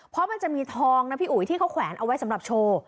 เพราะมันจะมีทองนะพี่อุ๋ยที่เขาแขวนเอาไว้สำหรับโชว์